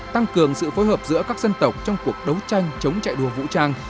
tăng cường sự phối hợp giữa các dân tộc trong cuộc đấu tranh chống chạy đua vũ trang